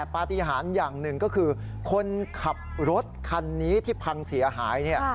ปฏิหารอย่างหนึ่งก็คือคนขับรถคันนี้ที่พังเสียหาย